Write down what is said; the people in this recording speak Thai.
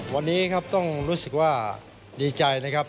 วันนี้ครับต้องรู้สึกว่าดีใจนะครับ